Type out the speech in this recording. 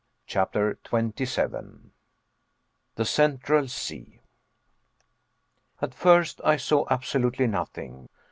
CHAPTER 27 THE CENTRAL SEA At first I saw absolutely nothing.